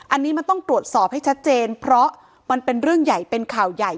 อันนี้มันต้องตรวจสอบให้ชัดเจนเพราะมันเป็นเรื่องใหญ่เป็นข่าวใหญ่